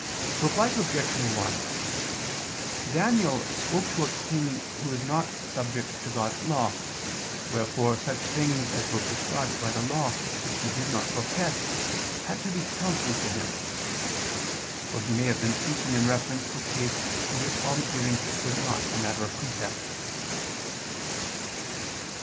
Reply Obj. 1: Daniel spoke to a king who was not subject to God's Law, wherefore such things as were prescribed by the Law which he did not profess, had to be counselled to him. Or he may have been speaking in reference to a case in which almsgiving was not a matter of precept.